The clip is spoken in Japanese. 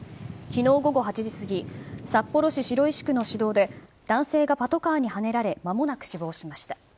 きのう午後８時過ぎ、札幌市白石区の市道で、男性がパトカーにはねられ、まもなく死亡しました。